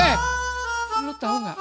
eh lu tau gak